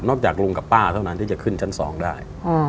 จากลุงกับป้าเท่านั้นที่จะขึ้นชั้น๒ได้